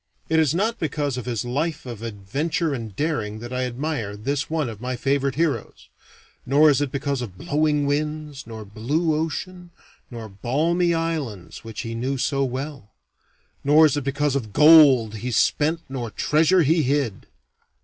It is not because of his life of adventure and daring that I admire this one of my favorite heroes; nor is it because of blowing winds nor blue ocean nor balmy islands which he knew so well; nor is it because of gold he spent nor treasure he hid.